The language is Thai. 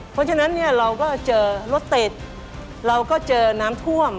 เพราะฉะนั้นเนี่ยเราก็เจอรถติดเราก็เจอน้ำท่วม